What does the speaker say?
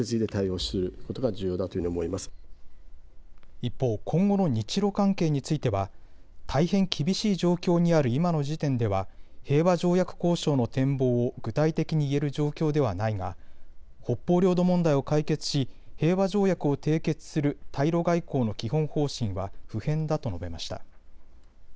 一方、今後の日ロ関係については大変厳しい状況にある今の時点では平和条約交渉の展望を具体的に言える状況ではないが北方領土問題を解決し平和条約を締結する対ロ外交の基本方針は不変だと述べました。